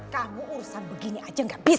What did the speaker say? kamu urusan begini aja gak bisa